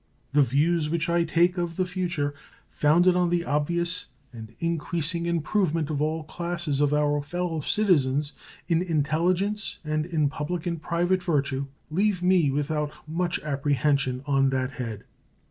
The views which I take of the future, founded on the obvious and increasing improvement of all classes of our fellow citizens in intelligence and in public and private virtue, leave me without much apprehension on that head.